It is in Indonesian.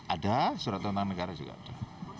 ada surat tentang negara juga ada